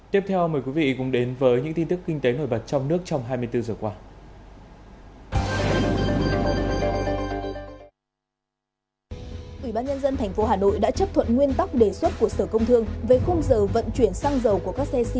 tiếp theo mời quý vị cùng đến với những tin tức kinh tế nổi bật trong nước trong hai mươi bốn giờ qua